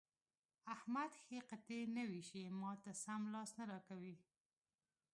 احمد ښې قطعې نه وېشي؛ ما ته سم لاس نه راکوي.